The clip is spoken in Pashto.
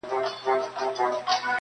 او پر ژوند مین انسان وو